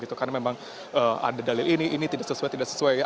karena memang ada dalil ini ini tidak sesuai tidak sesuai